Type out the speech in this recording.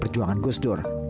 perjuangan gus dur